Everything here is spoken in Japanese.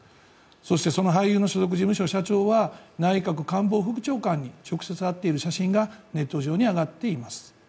そしてその俳優の所属事務所は内閣官房副長官に直接会っているネット上に上がっています。